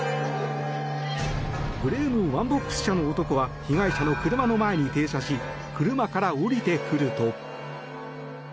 グレーのワンボックス車の男は被害者の車の前に停車し車から降りてくると。